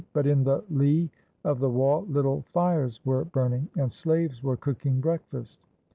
But in the lee of the wall little fires were burning, and slaves were cooking breakfast.